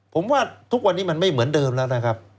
ผมว่าทุกวันนี้มันไม่เหมือนเดิมแล้วนะครับ